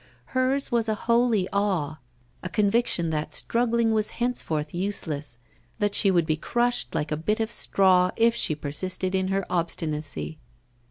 Hers was a holy awe, a conviction that struggling was henceforth useless, that she would be crushed like a bit of straw if she persisted in her obstinacy.